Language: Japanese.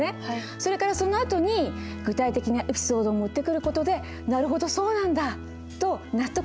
それからそのあとに具体的なエピソードを持ってくる事で「なるほどそうなんだ」と納得しながら聞く事ができます。